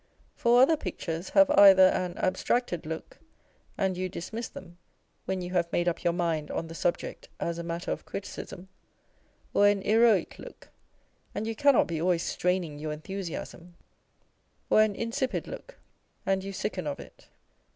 For other pictures have either an abstracted look, and you dismiss them, when you have made up your mind on the subject as a matter of criticism ; or an heroic look, and you cannot be always straining your enthusiasm ; or an insipid look, and you sicken of it.